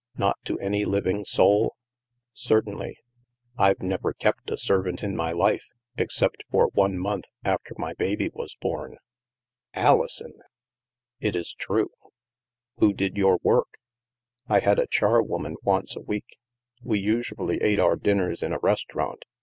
Not to any living soul? "" Certainly." " I've never kept a servant in my life, except for one month after my baby was born." " Alison !"" It is true." THE MAELSTROM 229 " Who did your work ?"" I had a charwoman once a week. We usually ate our dinners in a restaurant.